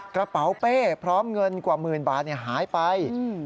กระเป๋าเป้พร้อมเงินกว่าหมื่นบาทหายไป